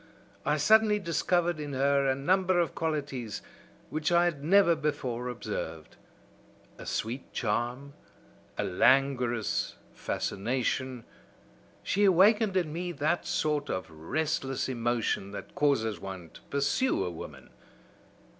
I suddenly discovered in her a number of qualities which I had never before observed, a sweet charm, a languorous fascination; she awakened in me that sort of restless emotion that causes one to pursue a woman.